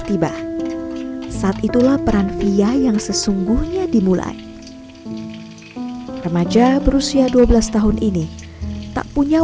tiba saat itulah peran fia yang sesungguhnya dimulai remaja berusia dua belas tahun ini tak punya